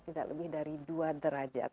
tidak lebih dari dua derajat